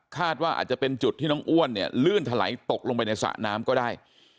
ว่าอาจจะเป็นจุดที่น้องอ้วนเนี่ยลื่นถลายตกลงไปในสระน้ำก็ได้